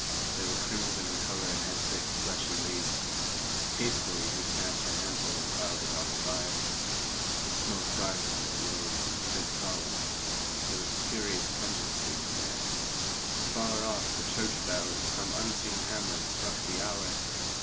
They were crimson in colour and had thick, fleshy leaves. Hastily, he snatched a handful and piled it on the fire. The smoke darkened and rose in a thick column; there was a curious pungency in the air. Far off the church bell in some unseen hamlet struck the hour.